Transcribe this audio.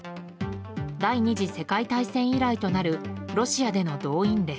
第２次世界大戦以来となるロシアでの動員令。